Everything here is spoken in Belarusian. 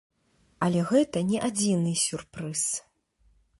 Але гэта не адзіны сюрпрыз.